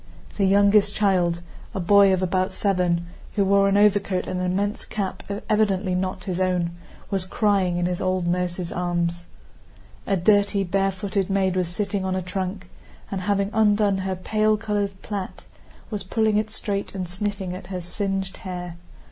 The youngest child, a boy of about seven, who wore an overcoat and an immense cap evidently not his own, was crying in his old nurse's arms. A dirty, barefooted maid was sitting on a trunk, and, having undone her pale colored plait, was pulling it straight and sniffing at her singed hair.